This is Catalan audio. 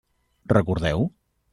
Recordeu?